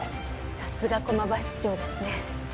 さすが駒場室長ですね